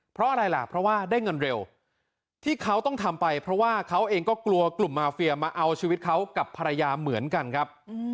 เพราะอะไรล่ะเพราะว่าได้เงินเร็วที่เขาต้องทำไปเพราะว่าเขาเองก็กลัวกลุ่มมาเฟียมาเอาชีวิตเขากับภรรยาเหมือนกันครับ